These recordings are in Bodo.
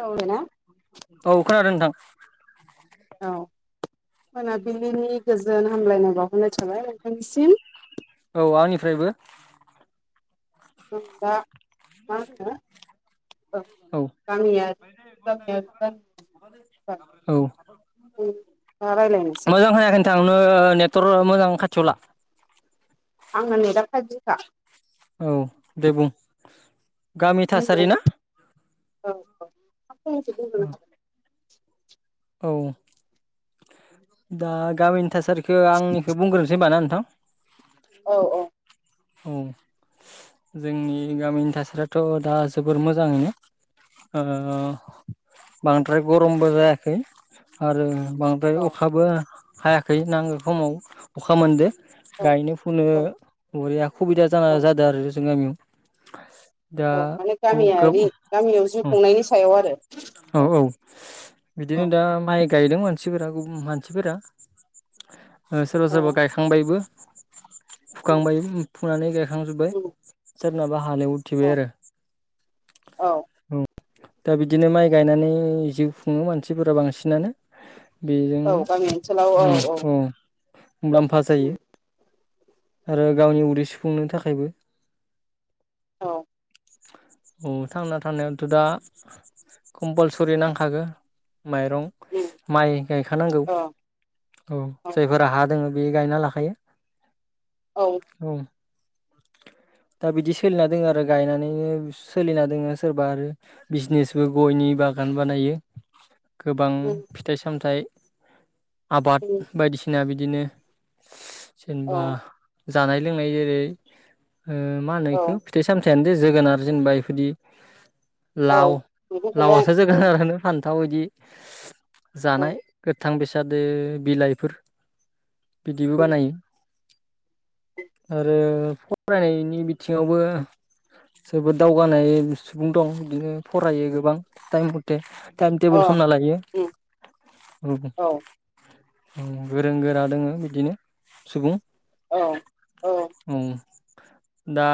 औ नोंना औ खोनादों नोंथां। औ मोनाबिलिनि गोजोन हामलायनाय बावहरनाय थाबाय नोंथांनिसिम। औ आंनिफ्रायबो होनबा मा होनो। औ। गामियारि गामियारि औ। मख रायलायनोसै। सिगांनो नेटवर्क मोजां खाथियावला आंना नेटा पायबजि खा। औ दे बुं गामि आंनो थासारि ना औ औफसमोन हाग। औ दा गामिनि थासारिखौ आंनिखौ बुंग्रोनोसै होनबाना। औ औ औ जोंनि गामिनि थासारियाथ' दा जोबोर मोजाङैनो। ओ बांद्राय गरमबो जायाखै आरो। बांद्राय औ अखाबो हा हायाखै नांगो समाव अखा मोनदो। औ गायनो फुनो औ बरिया खुबिदा जाना औ जादों आरो जों गामियाव दा औ माने गो गामियारि गामियाव जिउ खुंनायनि सायाव आरो। औ औ औ बिदिनो दा माइ। गायदों मानसिफोरा गुबुन मानसिफोरा सोरबा औ सोरबा गायखांबायबो। उम फुखांबाय फुनानै गायखांजोब्बाय उम सोरनाबा। हालव उथिबाय औ आरो। औ दा बिदिनो माइ गायनानै जिउ खुङो मानसिफोरा बांसिनानो बेजों औ गामि ओनसोलाव औ औ मुलाम्फा जायो। उम आरो गावनि उदै सुफुंनो थाखायबो। औ औ थांना थानायावथ' दा कम्पालसरि नांखागो। माइरं उम माइ गायखानांगौ औ औ जायफोरा हा दङ। बे गायना लाखायो औ। दा बिदि सोलिना दोङ आरो गायनानैनो सोलिना दोङो सोरबा आरो बिजनेसबो गयनि बागान बानायो गोबां उम फिथाइ सामथाइ। आबाद उम बायदिसिना बिदिनो जेनेबा। औ जानाय लोंनाय जेरै ओ मा होनो औ बेखौ फिथाइ सामथायानो। जोगोनार जेनबा बेफोरदि औ लाव मैगं थाइगं लावआसो औ जोगोनारानो फान। गोथाव बिदि औ जानाय गोथां बेसाद बिलाइफोर बिदिबो उम, बानायो आरो। फरायनायनि बिथिङावबो। जोबोद दावगानाय सुबुं दं बिदिनो फरायो गोबां टाइम मथे टाइम टेबोल अ खालामना लायो उम, ओम औ गोरों गोरा दोङो बिदिनो सुबुं औ औ उम दा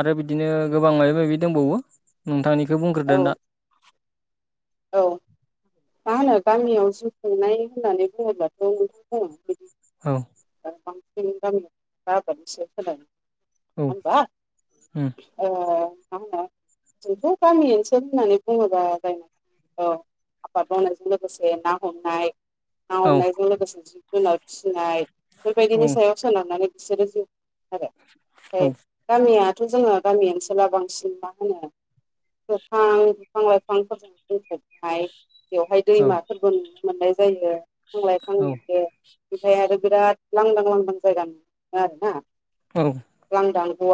आरो बिदिनो गोबां माबि माबि दंबावो नोंथांनि बेखौ औ बुंग्रोदो ना औ मा होनो गामियाव जिउ खुंनाय होननानै बुङोब्लाथ' नोंथांङ बिदि औ [unintelligible] [unintelligible] औ मा उम होनो जोंथ' गामि ओनसोल होननानै बुङोब्ला जाय औ आबाद मावनायजों लोगोसे ना हमनाय ना औ हमनायजों लोगोसे जिब जुनार फिसिनाय बेबायदिनि उम सायाव सोनारनानै बिसोरोआरो फ्राय औ गामिया थ' जोङो गामि ओनसोलाव बांसिन मा होनो गोफां बिफां लाइफांफोरजों दजोबहबाय बेवहाय औ दैमाफोरबो मोननाय जायो फांलाय औ फांयो ओमफ्राय आरो बिराद लांदां लांदां जायगा मोन आर ना औ दां गव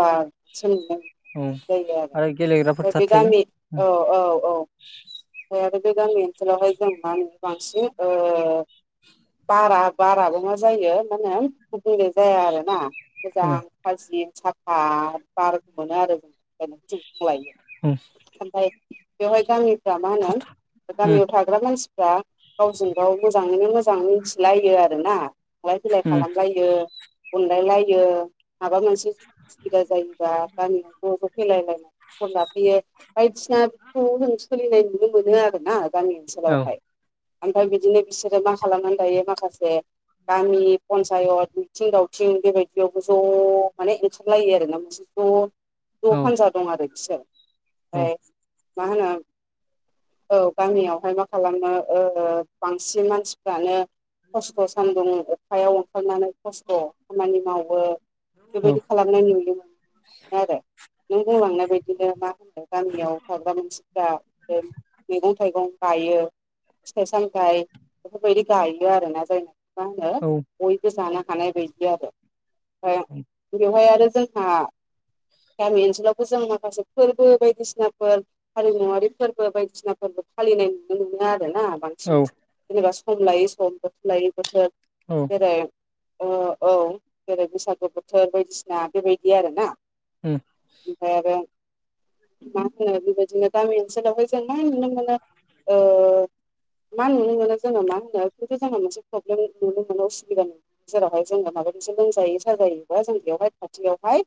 सोंनो औ जायो गेलेग्राफोर आरो थार बे थायो गामि उम औ औ औ ओफ्राय आरो बे गामि ओनसोलावहाय जों मा होनो बांसिन ओ बारा बाराबो मा जायो माने बैनाय जाया आरोना मोजां खालसि साफा बार मोनो आरो जोंजाय लायो उम ओमफ्राय बेवहाय गामिफ्रा मा होनो उम गामियाव थाग्रा मानसि फ्रा गावजों गाव मोजाङैनो मोजां मिथिलायो आरोना थांलाय फैलाय उम खालामलायो अनलायलायो माबा मोनसेसुबिदा जायोबा गामियाव ज' ज' फैलायलायनाय खलाब बियो बायदिनाफोरखौ जों सोलिनाय नुनो मोनो आरोना गामि औ ओनसोलावहाय ओमफ्राय बिदिनो बिसोरो मा खालामनानै दायो माखासे गामि पन्सायत मिथिं दावथिं बेबायदियावबो ज' माने ओंखारलायो आरोना मोनसे ज' औ ज हान्जा दं आरो बिसोर औ ओमफ्राय मा होनो औ गामियावहाय मा खालामो ओ बांसिन मानसिफ्रानो खस्थ' सान्दुं अखायाव ओंखारनानै खस्थ' खामानि मावो औ बेबायदि खालामनाय नुयोमोन आरो नों बुंलांनाय बायदिनो मा होनो गामियाव थाग्रा मानसि दा ओ मैगं थाइगं गायो फिथाइ सामथाय बेफोरबायदि गायो आरोना जायनो मा होनो औ उम बयबो जानो हानाय बायदि आरो फ्राय बेवहाय आरो जोंहा गामि ओनसोलावबो जों माखासे फोरबो बायदिसिनाफोर हारिमुवारि फोरबो बायदिसिना फोरबो फालिनाय नुनो मोनो आरोना औ बांसिन जेनेबा सम लायै सम बोथोर लायै बोथोर औ जेरै ओ औ जेरै बैसागु बोथोर बायदिसिना बेबायदि आरोना ओमफाय आरो [unintelligible] जोंना‌ गामि ओनसोलावहाय जों मा नुनो मोनो ओ मा नुनो मोनो जोङो मा होनो खिन्थु जोंहा मोनसे प्रब्लेम नुनो मोनो असुबिदा नु जेरावहाय जोंङो मा [unintelligible] लोमजायो साजायोब्ला जों बेवहाय खाथियावहाय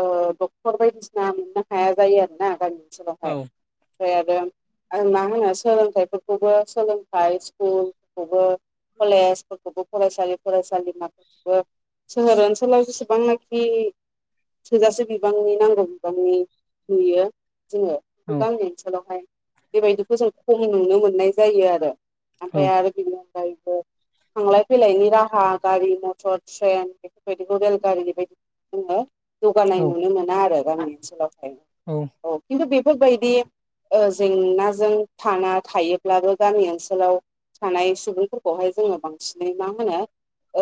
ओ डक्टर बायदिसिना मोननो हाया जायो आरोना गामि ओनसोलावहाय औ। ओमफ्राय आरो मा होनो सोलोंथाइफोरखौबो सोलोंथाइ स्कुलखौबो कलेजफोरखौबो फरायसालि फरायसालिमाफोरखौबो सोहोर ओनसोलाव जेसेबांनोखि थोजासे बिबांनि नांगौ बिबांनि नुयो जोङो औ गामि ओनसोलावहाय बेबायदिखौ जों खम नुनो मोननाय जायो आरो। आमफाय औ आरो बिनो [inaudible] थांलाय फैलायनि राहा गारि मथर ट्रेन बेफोरबायदिखौ रेलगारि बेबायदि जोङो जौगानाय नुनो मोना आरो गामि ओनसोलाव। औ। बेफोरबायदि ओ जेंनाजों थांना थायोब्लाबो गामि ओनसोलाव थानाय सुबुंफोरखौहाय जोङो बांसिनै मा होनो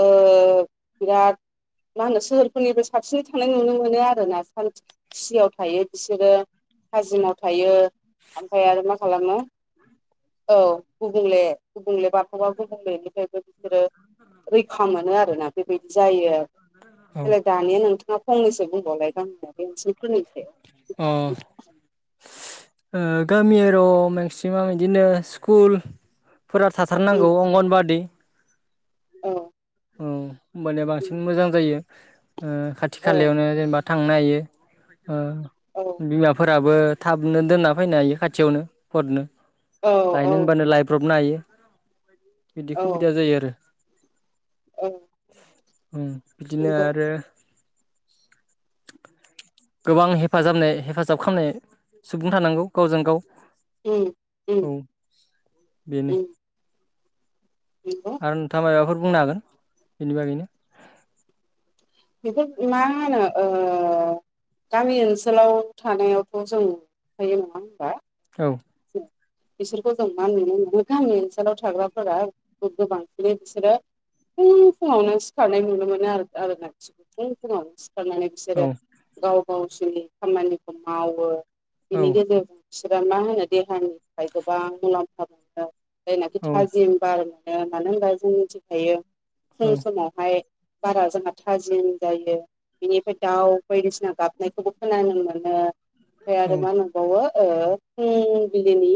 ओ बिराद मा होनो सोहोरफोरनिबो साबसिनै थानाय नुनो मोनो आरो ना सान्थि खुसियाव थायो बिसोरो। थाजिमाव थायो ओमफ्राय आरो मा खालामो [inaudible] औ। गुबुंले गुबुंले बार [unintelligible] गुबुंलेनिफ्रायबो बिसोरो रैखा मोनो आरोना बेबायदि जायो आरो। अ देलाय दानिया नोंथाङा फंनैसो बुंबावलाय गामियारि ओनसोलफोरनि सायाव। ओ गामि‌ एर' मेक्सिमाम बिदिनो स्कुल फोरा थाथारनांगौ उम अंगनबादि औ। औ होमबानिया बांसिन मोजां जायो। ओ खाथि औ खालायावनो जेनेबा थांनो हायो औ बिमाफोरा बो थाबनो दोनना फैनो हायो खाथियावनो फटनो औ लायनो औ होनबानो लायब्रबनो हायो। बिदि औ सुबिदा जायो आरो। औ। उम बिदिनो नंगौ आरो गोबां हेफाजाबनाय हेफाजाब खालामनाय सुबुं थानांगौ गावजों गाव। उम उम औ [inaudible] बेनो उम। नंगौ आरो नोंथाङा माबाफोर बुंनो हागोन बेनि बागैनो? बेफोर‌ मा होनो ओ गामि ओनसोलाव थानायावथ' जों थायो नङा होनबा? औ [inaudible] बिसोरखौ जों मा नुनो मोनो गामि ओनसोलाव थाग्राफोरा गोबांसिनै बिसोरो फुं फुङावनो सिखारनाय नुनो मोनो आरो आरो फुं फुङावनो सि सिखारनानै औ बिसोरो गाव गावसोरनि खामानिखौ मावो औ बिनि गेजेरजों बिसोरो मा होनो देहानिफ्राय गोबां मुलाम्फा मोनो जायनाखि औ थाजिम बार ओ मानो होनबा जों मिथिखायो औ फुं समावहाय बारा जोंहा थाजिम जायो। बिनिफ्राय दाउ बायदिसिना गाबनायखौबो खोनानो मोनो। ओमफ्राय औ आरो मा नुबावो ओ फुंबिलिनि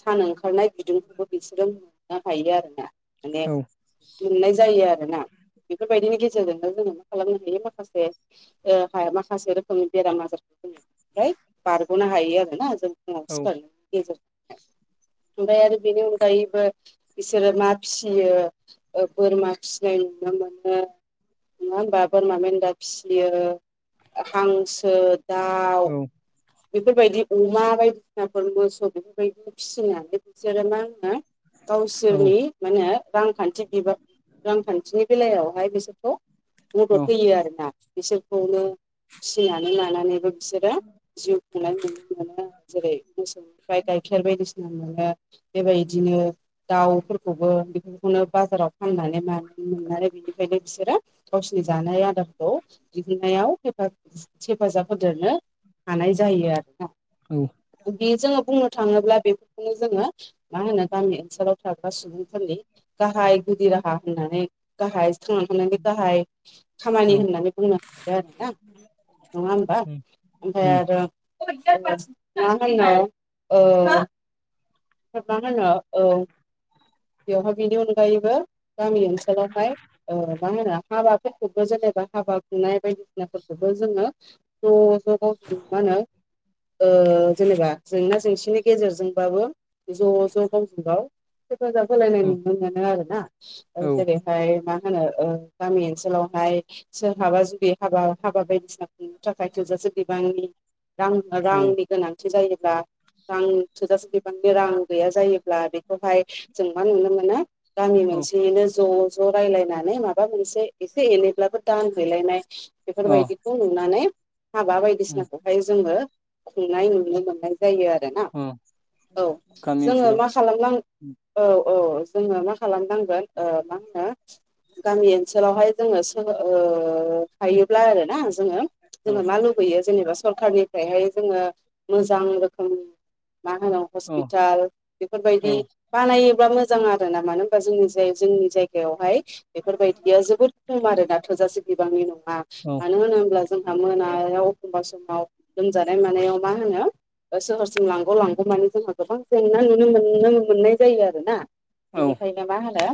सान ओंखारनाय बिदुंखौबो बिसोरो मोननो हायो आरोना‌ माने औ मोननाय जायो आरोना। बेफोरबायदिनि गेजेरजोंनो जोङो मा खालामनो हायो माखासे ओ माखासे रोखोमनि बेराम आजार फ्राय बारग'नो हायो आरोना जों फुङाव औ सिखारनायनि गेजेरजों। ओमफ्राय आरो बेनि अनगायैबो बिसोरो ना फिसियो‌ ओ बोरमा फिसिनाय [unintelligible] नङा होमबा बोरमा मेन्दा फिसियो, हांसो दाउ औ बेफोरबायदि अमा बायदिसिनाफोर मोसौ बेफोरबायदिनो फिसिनानै बिसोरो मा होनो औ औ गावसोरनि मा होनो रांखान्थि बिबां रांखान्थिनि बेलायावहाय बिसोरखौ औ मदद होयो आरोना। बिसोरखौनो फिसिनानै लानानैबो बिसोरो जिउ खुंनाय नुनो मोनो जेरै मोसौ गाइखेर बायदिसिना मोनो बेबायदिनो दाउफोरखौबो बेफोरखौनो बाजाराव फाननानै मानानै मोननानै बेनिखायनो बिसोरो गावसोरनि जानाय आदारखौ दिहुनन्नायाव हेफाजाब होदेरनो हानाय जायो आरोना उम बे जोङो बुंनो थाङोब्ला बेफोरखौनो जोङो मा होनो गामि ओनसोलाव थाग्रा सुबुंफोरनि गाहाय गुदि राहा होननानै गाहाय थांनानै थानायनि गाहाय खामानि होननानै बुंनो हायो आरोना नङा होमबा ओमफ्राय उम आरो ओ मा होननो ओ मा होनो औ बेवहाय बिनि अनगायैबो गामि ओनसोल सोल आवहाय ओ मा होनो हाबा फोरखौबो जेनेबा हाबा खुंनाय बायदिसिनाफोरखौबो जोङो [unintelligible] मा होनो ओ जेनेबा जेंना जेंसिनि गेजेरजोंबाबो ज ज गावजों गाव हेफाजाब होलायनाय औ नुनो मोनो आरो ना ओ औ जेरैहाय मा मा होनो ओ गामि ओनसोलावहाय सोरहाबा जुदि हाबा हाबा बायदिसिना खुंनो थाखाय थोजासे बिबांनि रां औ रांनि गोनांथि जायो ब्ला रां थोजासे बिबांनि रां गैया जायोब्ला बेखौहाय जों मा नुनो मोनो गामि औ मोनसेनिनो ज ज रायलायनानै माबा मोनसे एसे एनैब्लाबो दान हैैलायनाय अ बेफोरबायदिखौ नुनानै हाबा उम बायदिसिनाखौहाय जोङो खुंनाय नुनो मोननाय जायो आरोना अ औ गामि जोङो ओनसोलाव मा खालामनां औ अ जोङो मा खालामनांगोन ओ मा होनो गामि ओसोल ओनसोलावहाय जोङो सोलों ओ थायोब्ला आरो ना जोङो जोङो औ मा लुबैयो जेनेबा सरखारनिफ्रायहाय जोङो मोजां रोखोम मा होनो औ हस्पिटाल औ बेफोरबायदि बानायोब्ला मोजां आरो ना मानो होनबा जोंनिजाय जोंनि जायगायावहाय बेफोरबायदिया जोबोद खम आरो दा थोजासे बिबांनि नङा औ मानो होनोब्ला जों ना मोनायाव एखमबा समाव लोमजानाय मानायाव मा होनो सोहोरसिम लांगौ लांगौ मानि जोंहा गोबां जेंना नुनो मोननो मोननाय जायो आरो ना औ बेनिखायनो मा होनो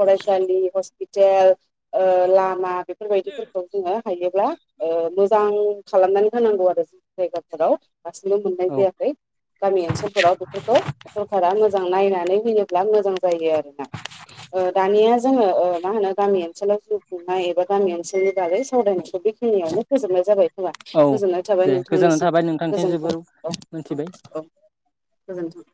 फरायसालि हस्पिटेल ओ लामा बेफोरबायदिफोरखौ जोङो हायोब्ला ओ मोजां खालामनानै होनांगौ आरो [unintelligible] जायगाफोराव आथिखाल नुनो मोननाय औ जायाखै गामि ओनसोलफोराव बेफोरखौ सरकारा मोजां नायनानै होयो ब्ला मोजां जायो आरोना ओ दानिया जोङो ओ मा होनो गामि ओनसोलाव जिउ खुंनाय एबा गामि ओनसोलनि बागै सावराय बेखिनियावनो फोजोबनाय जाबाय खोमा औ गोजोननाय थाबाय दे गोजोननाय नोंथांनिसिम थाबाय नोंथांनिथिं गोजोनथों। जोबोर औ मोनथिबाय औ औ गोजोनथों।